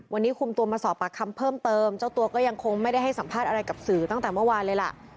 วันนี้คุมตัวมาสอบปากคำเพิ่มเติมเจ้าตัวก็ยังคงไม่ได้ให้สัมภาษณ์อะไรกับสื่อตั้งแต่เมื่อวานเลยล่ะ